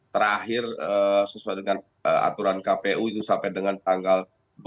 terakhir sesuai dengan aturan kpu itu sampai dengan tanggal dua puluh